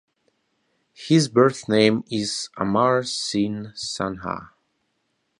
His birth name is Amar Singh Sangha.